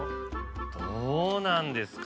どうなんですか？